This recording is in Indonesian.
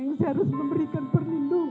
yang harus diberikan perlindungan